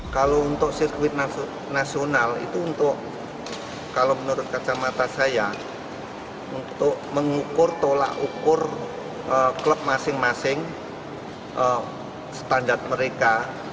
kalau untuk sirkuit nasional itu untuk kalau menurut kacamata saya untuk mengukur tolak ukur klub masing masing standar mereka